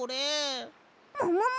ももも！